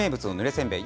せんべい